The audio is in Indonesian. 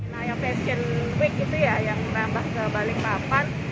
nah yang fashion week itu ya yang nambah ke balikpapan